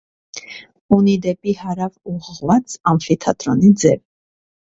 Ունի դեպի հարավ ուղղված ամֆիթատրոնի ձև։